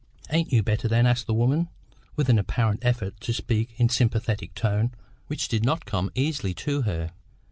"Ain't you better then?" asked the woman, with an apparent effort to speak in a sympathetic tone which did not come easily to her.